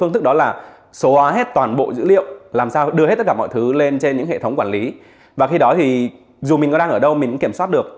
thứ lên trên những hệ thống quản lý và khi đó thì dù mình có đang ở đâu mình cũng kiểm soát được